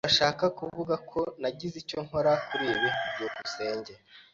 Urashaka kuvuga ko nagize icyo nkora kuri ibi? byukusenge